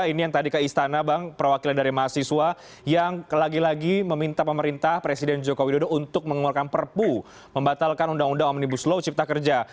ini yang tadi ke istana bang perwakilan dari mahasiswa yang lagi lagi meminta pemerintah presiden joko widodo untuk mengeluarkan perpu membatalkan undang undang omnibus law cipta kerja